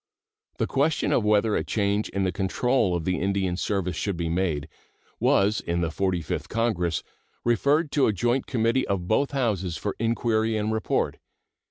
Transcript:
The question whether a change in the control of the Indian service should be made was in the Forty fifth Congress referred to a joint committee of both Houses for inquiry and report.